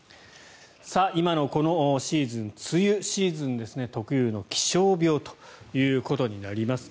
今のこのシーズン梅雨シーズンに特有の気象病ということになります。